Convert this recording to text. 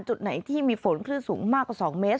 จุดไหนที่มีฝนคลื่นสูงมากกว่า๒เมตร